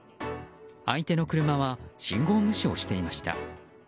相手の車は信号無視をしていました。